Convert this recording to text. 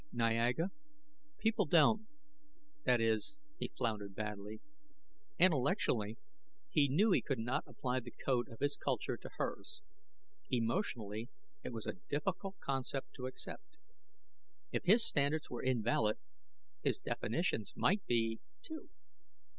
"Niaga, people don't that is " He floundered badly. Intellectually he knew he could not apply the code of his culture to hers; emotionally it was a difficult concept to accept. If his standards were invalid, his definitions might be, too.